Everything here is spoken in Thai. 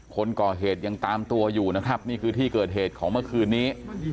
คนก่อเหตุยังตามตัวอยู่นะครับนี่คือที่เกิดเหตุของเมื่อคืนนี้